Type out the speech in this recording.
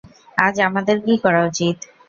আজ আমাদের কী করা উচিত?